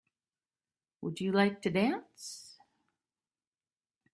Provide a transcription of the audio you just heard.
Would you like to dance?